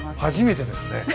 初めてですね。